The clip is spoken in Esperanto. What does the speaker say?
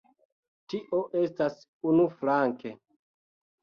Tio estas unuflanke.